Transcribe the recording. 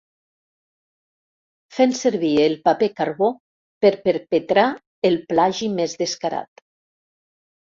Fent servir el paper carbó per perpetrar el plagi més descarat.